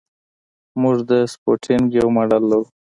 موږ د سپوتنیک یو ماډل لرو